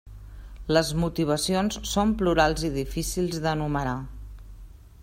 Les motivacions són plurals i difícils d'enumerar.